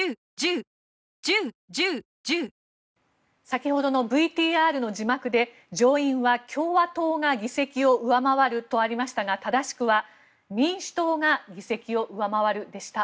先ほどのＶＴＲの字幕で上院は共和党が議席を上回るとありましたが正しくは民主党が議席を上回るでした。